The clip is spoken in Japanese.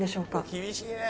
厳しいね。